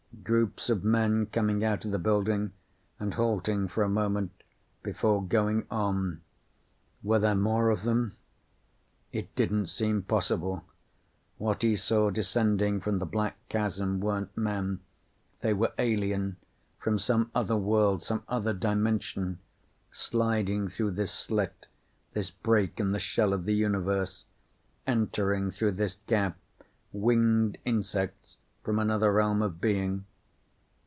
Groups of men coming out of the building and halting for a moment before going on. Were there more of them? It didn't seem possible. What he saw descending from the black chasm weren't men. They were alien from some other world, some other dimension. Sliding through this slit, this break in the shell of the universe. Entering through this gap, winged insects from another realm of being.